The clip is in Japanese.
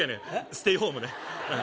ステイホームねえっ